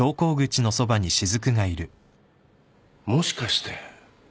もしかして。